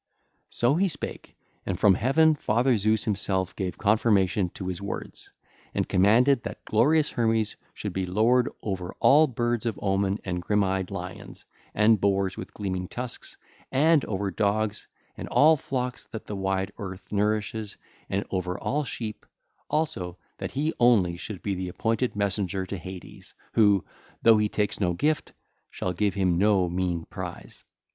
(ll. 568a 573) So he spake. And from heaven father Zeus himself gave confirmation to his words, and commanded that glorious Hermes should be lord over all birds of omen and grim eyed lions, and boars with gleaming tusks, and over dogs and all flocks that the wide earth nourishes, and over all sheep; also that he only should be the appointed messenger to Hades, who, though he takes no gift, shall give him no mean prize.